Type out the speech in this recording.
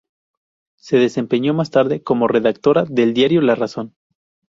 Se desempeñó, más tarde, como redactora del diario La Razón.